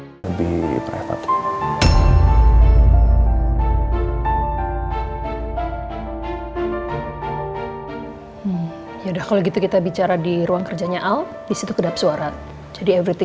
hai lebih private ya udah kalau gitu kita bicara di ruang kerjanya al bis itu kedap suara jadi